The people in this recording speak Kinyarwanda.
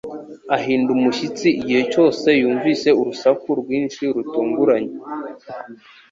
Ahinda umushyitsi igihe cyose yumvise urusaku rwinshi, rutunguranye